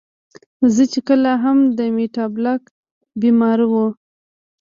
زۀ چې کله هم د ميټابالک بيمارو